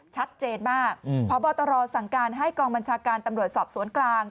ชัดเจนมากพบตรสั่งการให้กองบัญชาการตำรวจสอบสวนกลาง